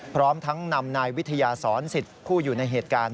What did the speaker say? พร้อมทั้งนำนายวิทยาสอนสิทธิ์ผู้อยู่ในเหตุการณ์